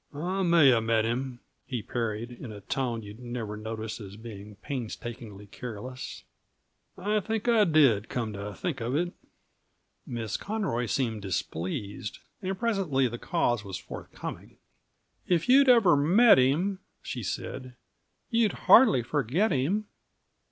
"I may have met him," he parried, in a tone you'd never notice as being painstakingly careless. "I think I did, come to think of it." Miss Conroy seemed displeased, and presently the cause was forthcoming. "If you'd ever met him," she said, "you'd hardly forget him."